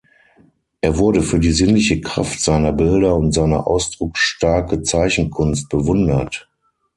Er wurde für die sinnliche Kraft seiner Bilder und seine ausdrucksstarke Zeichenkunst bewundert.